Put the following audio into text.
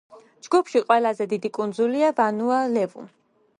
ჯგუფში ყველაზე დიდი კუნძულია ვანუა-ლევუ.